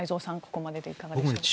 ここまででいかがですか？